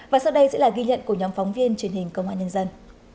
và sau đây sẽ là ghi nhận của nhóm phóng viên truyền hình công an nhân dân